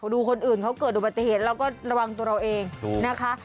ดูคนอื่นเขาเกิดอุบัติเหตุเราก็ระวังตัวเราเองนะคะ